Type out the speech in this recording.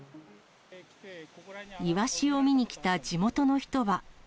イワシを見にきた地元の人は。